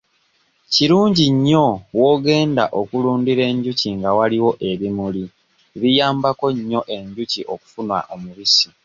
Kirungi nnyo w'ogenda okulundira enjuki nga waliwo ebimuli biyamabako nnyo enjuki okufuna omubisi.